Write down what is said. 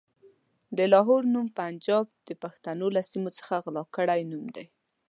د لاهور نوم پنجاب د پښتنو له سيمو څخه غلا کړی نوم دی.